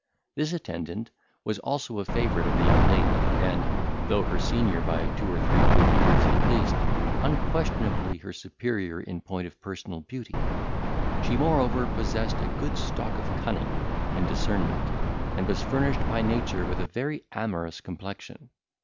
This attendant was also a favourite of the young lady, and, though her senior by two or three good years at least, unquestionably her superior in point of personal beauty; she moreover possessed a good stock of cunning and discernment, and was furnished by nature with a very amorous complexion.